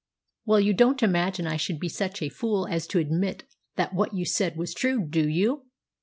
"Well, you don't imagine I should be such a fool as to admit that what you said was true, do you?"